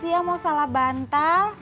siapa sih yang mau salah bantal